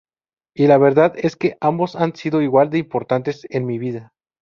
Y la verdad es que ambos han sido igual de importantes en mi vida.